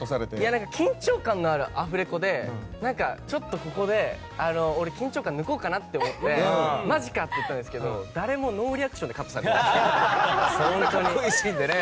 緊張感のあるアフレコでちょっとここで俺、緊張感を抜こうかなと思ってマジかって言ったんですけどノーリアクションでカットされたんですよ。